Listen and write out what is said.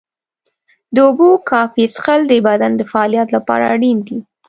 د اوبو کافي څښل د بدن د فعالیت لپاره اړین دي.